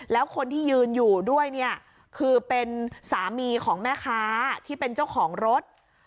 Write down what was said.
แล้วคนที่ยืนอยู่ด้วยเนี่ยคือเป็นสามีของแม่ค้าที่เป็นเจ้าของรถ